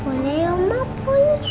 boleh ya ma punis